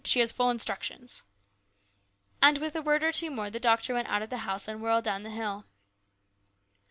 She has full instructions." And with a word or two more the doctor went out of the house and whirled down the hill.